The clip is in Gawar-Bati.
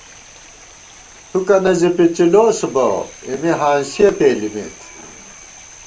تھُکَنہ زِی پِڅِلوس بہ، اېمےہانسِیَہ پېلِمېت